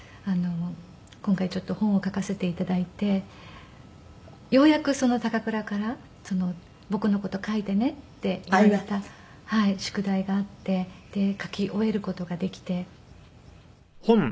今回ちょっと本を書かせて頂いてようやく高倉から「僕の事書いてね」って言われた宿題があってで書き終える事ができて。